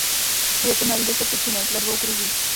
Květy mají deset tyčinek ve dvou kruzích.